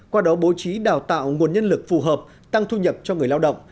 qua đó bố trí đào tạo nguồn nhân lực phù hợp tăng thu nhập cho người lao động